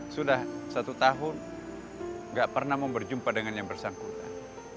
satu tahun tidak pernah mau berjumpa dengan yang bersangkutan